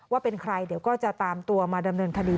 ว่าเป็นใครเดี๋ยวก็จะตามตัวมาดำเนินคดี